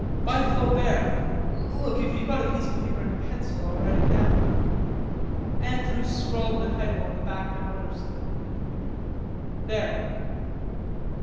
"By Flaubert.... Look, if you've got a piece of paper and a pencil, I'll write it down." Andrews scrawled the title on the back of an order slip. "There."